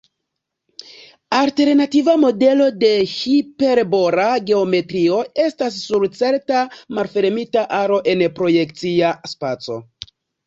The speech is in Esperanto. Alternativa modelo de hiperbola geometrio estas sur certa malfermita aro en projekcia spaco.